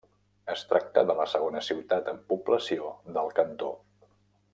Es tracta de la segona ciutat en població del cantó.